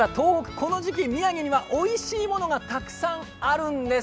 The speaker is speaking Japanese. この時期、宮城にはおいしいものがたくさんあるんです。